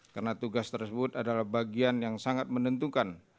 karena tugas tersebut adalah bagian yang sangat menentukan